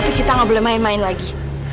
tapi kita gak boleh main main lagi